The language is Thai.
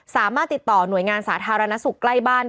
สามารถติดต่อหน่วยงานสาธารณสุขใกล้บ้าน